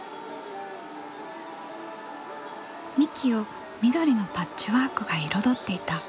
幹を緑のパッチワークが彩っていた。